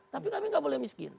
tapi kami nggak boleh miskin